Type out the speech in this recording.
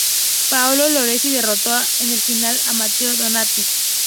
Paolo Lorenzi derrotó en la final a Matteo Donati.